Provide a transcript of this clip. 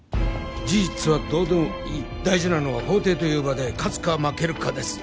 事実はどうでもいい大事なのは法廷という場で勝つか負けるかです